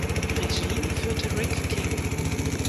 Regie führte Rick King.